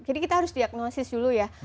jadi kita harus diagnosis juga